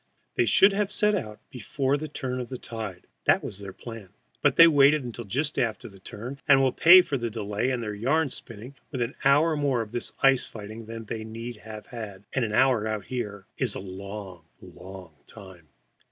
They should have set out just before the turn of tide (that was their plan), but they waited until just after the turn, and will pay for the delay and their yarn spinning with an hour more of this ice fighting than they need have had and an hour out there is a long, long time.